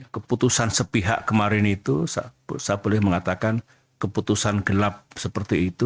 keputusan sepihak kemarin itu saya boleh mengatakan keputusan gelap seperti itu